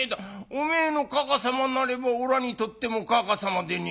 おめえのかかさまなればおらにとってもかかさまでねえか。